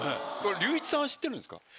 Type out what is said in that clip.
隆一さんは知ってるんですか？